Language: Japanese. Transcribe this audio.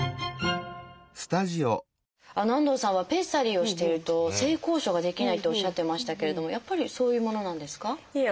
安藤さんはペッサリーをしていると性交渉ができないとおっしゃってましたけれどもやっぱりそういうものなんですか？